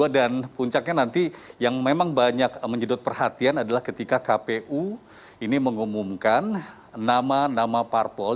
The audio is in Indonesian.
dan puncaknya nanti yang memang banyak menjedot perhatian adalah ketika kpu ini mengumumkan nama nama parpol